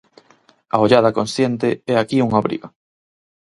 A ollada consciente é aquí unha obriga.